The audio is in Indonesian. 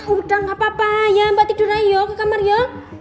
udah gapapa ya mbak tidur aja yuk ke kamar ya